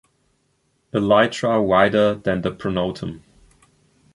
Elytra wider than the pronotum.